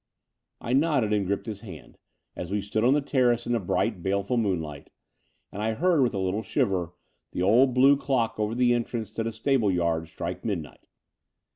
I nodded and gripped his hand, as we stood on the terrace in the bright, baleful moonlight: and I heard, with a little shiver, the old blue clock over the entrance to the stable yard strike midnight.